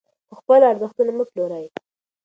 خو خپل ارزښتونه مه پلورئ.